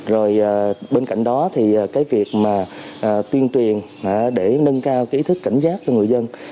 rồi bên cạnh đó thì cái việc mà tuyên truyền để nâng cao ý thức cảnh giác cho người dân